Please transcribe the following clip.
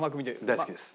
大好きです。